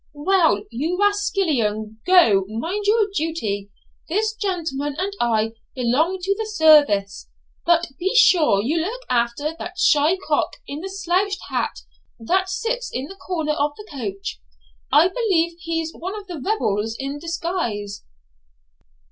'Well, you rascallion, go, mind your duty; this gentleman and I belong to the service; but be sure you look after that shy cock in the slouched hat that sits in the corner of the coach. I believe he's one of the rebels in disguise.'